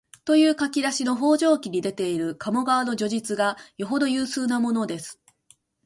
という書き出しの「方丈記」に出ている鴨川の叙述がよほど有数なものです